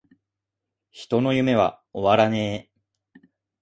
人の夢は!!!終わらねェ!!!!